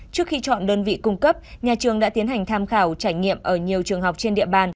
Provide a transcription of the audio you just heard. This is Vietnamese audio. trước khi chọn đơn vị cung cấp nhà trường đã tiến hành tham khảo trải nghiệm ở nhiều trường học trên địa bàn